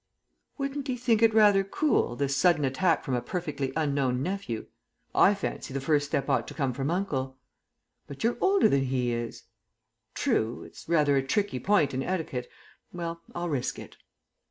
"Wouldn't he think it rather cool, this sudden attack from a perfectly unknown nephew? I fancy the first step ought to come from uncle." "But you're older than he is." "True. It's rather a tricky point in etiquette. Well, I'll risk it."